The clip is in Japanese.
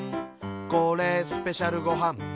「これ、スペシャルごはん」